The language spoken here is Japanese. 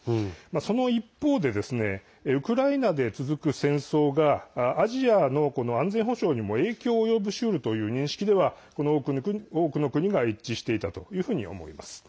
その一方でウクライナで続く戦争がアジアの安全保障にも影響を及ぼしうるという認識ではこの多くの国が一致していたと思います。